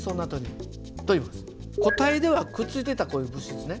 固体ではくっついてたこういう物質ね。